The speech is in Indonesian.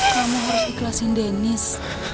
kamu harus ikhlasin denis